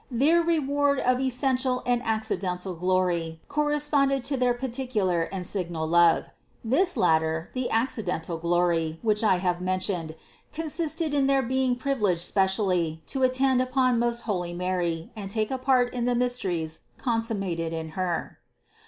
Their reward of essential and accidental glory corresponded to their par ticular and signal love. This latter, the accidental glory, which I have mentioned, consisted in their being privi leged specially to attend upon most holy Mary and take a part in the mysteries consummated in Her.